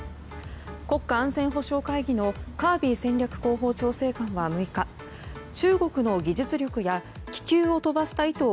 国家安全保障会議のカービー戦略広報調整官は６日中国の技術力や気球を飛ばした意図を